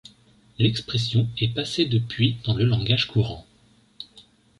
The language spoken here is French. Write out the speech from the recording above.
L'expression est passée depuis dans le langage courant.